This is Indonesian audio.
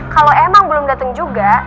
kalau emang belum datang juga